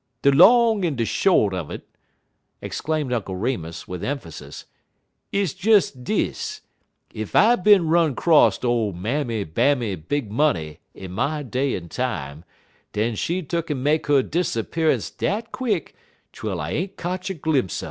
De long en de short un it," exclaimed Uncle Remus, with emphasis, "is des dis. Ef I bin run 'crost ole Mammy Bammy Big Money in my day en time, den she tuck'n make 'er disappearance dat quick twel I ain't kotch a glimp' un 'er."